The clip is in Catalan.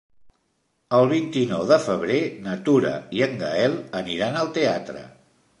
El vint-i-nou de febrer na Tura i en Gaël aniran al teatre.